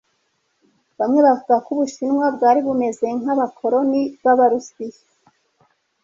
Bamwe bavuga ko Ubushinwa bwari bumeze nkabakoloni bAbarusiya